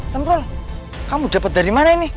semprol kamu dapat dari mana ini